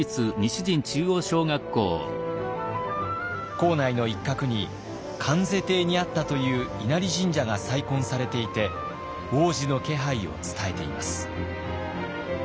校内の一角に観世邸にあったという稲荷神社が再建されていて往時の気配を伝えています。